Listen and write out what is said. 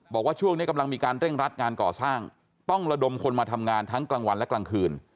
บอกว่าช่วงนี้กำลังมีการเร่งรัดงานก่อสร้างต้องระดมคนมาทำงานทั้งกลางวันและกลางคืน